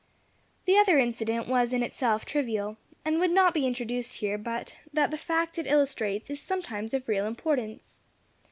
The other incident was in itself trivial, and would not be introduced here but that the fact it illustrates is sometimes of real importance.